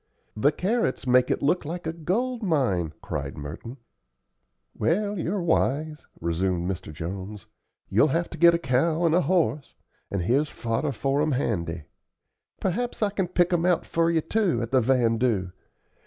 "The carrots make it look like a gold mine," cried Merton. "Well, you're wise," resumed Mr. Jones. "You'll have to get a cow and a horse, and here's fodder for 'em handy. Perhaps I can pick 'em out for you, too, at the vandoo.